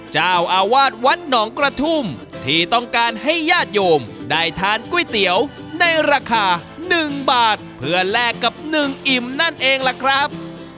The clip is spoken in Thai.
เจ้าอาวาสวัดหนองกระทุ่มที่ต้องการให้ญาติโยมได้ทานก๋วยเตี๋ยวในราคา๑บาทเพื่อแลกกับหนึ่งอิ่มนั่นเองล่ะครับ